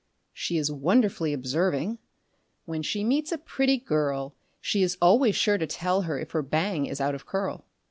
She is wonderfully observing. When she meets a pretty girl She is always sure to tell her if her "bang" is out of curl.